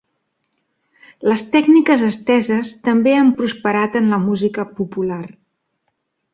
Les tècniques esteses també han prosperat en la música popular.